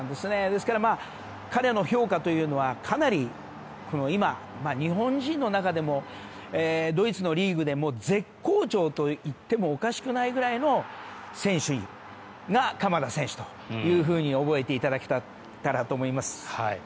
ですから、彼の評価というのはかなり今、日本人の中でもドイツのリーグでも絶好調といってもおかしくないぐらいの選手が鎌田選手と覚えていただけたらと思います。